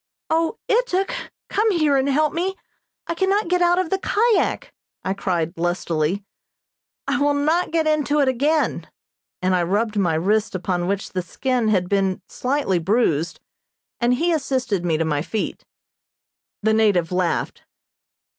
"O, Ituk, come here and help me! I cannot get out of the kyak," I cried lustily. "I will not get into it again," and I rubbed my wrist upon which the skin had been slightly bruised, and he assisted me to my feet. The native laughed.